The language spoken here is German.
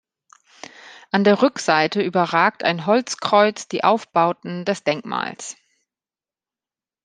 An der Rückseite überragt ein Holzkreuz die Aufbauten des Denkmals.